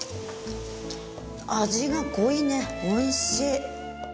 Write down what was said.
味が濃いねおいしい。